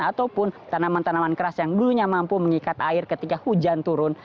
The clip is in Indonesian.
ataupun tanaman tanaman keras yang dulunya mampu mengikat air ketika hujan turun